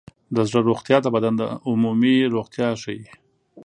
د زړه روغتیا د بدن عمومي روغتیا ښيي.